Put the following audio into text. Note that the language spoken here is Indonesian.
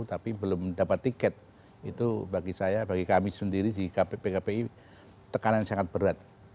tapi belum dapat tiket itu bagi saya bagi kami sendiri di pkpi tekanan sangat berat